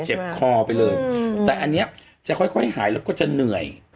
เจ็บคอไปเลยแต่อันนี้จะค่อยหายแล้วก็จะเหนื่อย